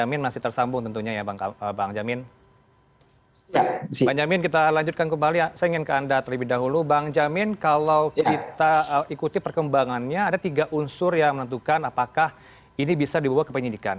ini adalah satu unsur yang menentukan apakah ini bisa dibawa ke penyidikan